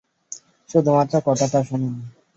শুধুমাত্র কথাটা শুনুন।